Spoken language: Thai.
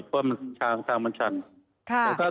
เพราะมันชันค่ะ